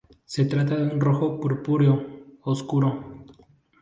Se trata de un rojo purpúreo oscuro.